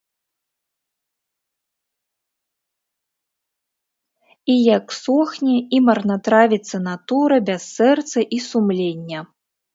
І як сохне і марнатравіцца натура без сэрца і сумлення.